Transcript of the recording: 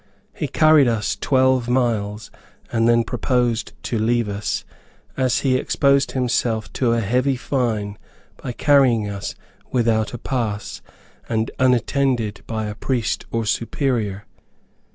He carried us twelve miles, and then proposed to leave us, as he exposed himself to a heavy fine by carrying us without a pass, and unattended by a priest or Superior.